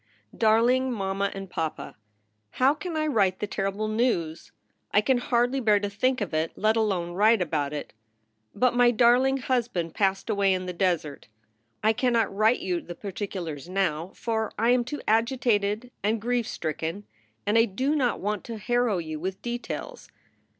DARLING MAMMA AND PAPA, How can I write the terrible news? I can hardly bear to think of it, let alone write about it. But my darling husband passed away in the desert. I cannot write you the particulars now, for I am too agitated and grief stricken and I do not want to harrow you with details.